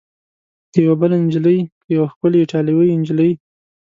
که یوه بله نجلۍ؟ که یوه ښکلې ایټالوۍ نجلۍ؟